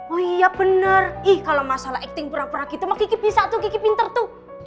oh iya bener ih kalau masalah akting pura pura gitu mah ki ki bisa tuh ki ki pinter tuh